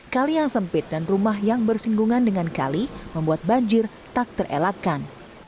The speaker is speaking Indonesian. kali yang sempit dan rumah yang bersinggungan dengan kali membuat banjir tak terelakkan